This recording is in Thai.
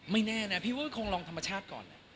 ไม่แน่นะพี่ว่าคงลองธรรมชาติก่อน